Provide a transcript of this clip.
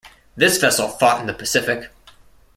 This vessel fought in the Pacific.